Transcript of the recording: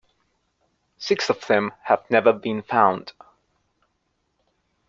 Six of them have never been found.